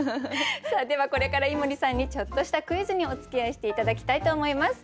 ではこれから井森さんにちょっとしたクイズにおつきあいして頂きたいと思います。